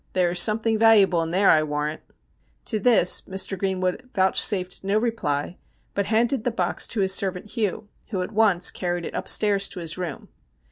There is something valu able in there, I warrant.' To this Mr. Greenwood vouchsafed no reply, but handed the box to his servant Hugh, who at once carried it upstairs to his room.